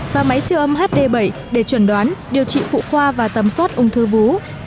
và máy siêu âm hd bảy để chuẩn đoán điều trị phụ khoa và tầm soát ung thư vú